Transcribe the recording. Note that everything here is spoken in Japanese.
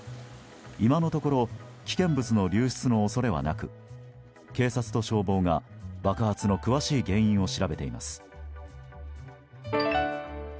今のところ危険物の流出の恐れはなく警察と消防が爆発の詳しい原因を調べています。